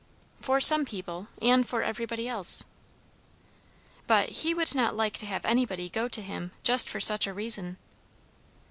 "For some people and for everybody else." "But he would not like to have anybody go to him just for such a reason."